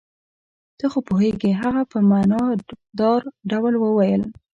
ته خو پوهېږې. هغه په معنی دار ډول وویل.